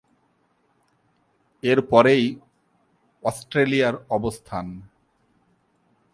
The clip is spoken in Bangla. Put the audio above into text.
এরপরেই অস্ট্রেলিয়ার স্থান।